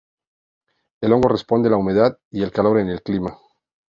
El hongo responde a la humedad y el calor en el clima.